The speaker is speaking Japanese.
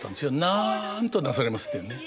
「なんとなされます」っていうね。